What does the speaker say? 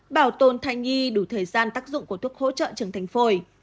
bảo tồn thay nhi đủ thời gian tác dụng của thuốc hỗ trợ trưởng thành phổi